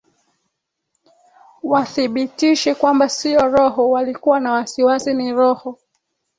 wadhibitishe kwamba sio roho walikuwa na wasiwasi ni roho